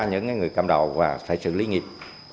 những người cầm đầu và xử lý nghiêm